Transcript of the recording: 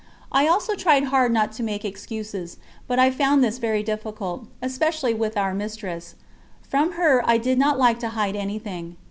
I also tried hard not to make excuses, but I found this very difficult, especially with our Mistress; from her I did not like to hide anything.